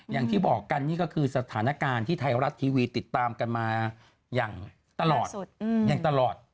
อย่างที่บอกกันนี่ก็คือสถานการณ์ที่ไทยรัฐทีวีติดตามกันมาอย่างตลอดอย่างตลอด